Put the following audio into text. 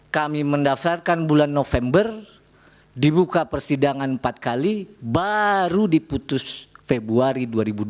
kami mendaftarkan bulan november dibuka persidangan empat kali baru diputus februari dua ribu dua puluh